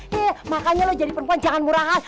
he makanya lu jadi perempuan jangan murahan